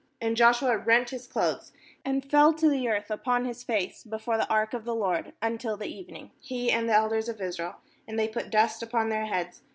6And Joshua rent his clothes, and fell to the earth upon his face before the ark of the LORD until the evening, he and the elders of Israel; and they put dust #upon their heads.